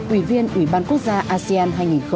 ủy viên ủy ban quốc gia asean hai nghìn hai mươi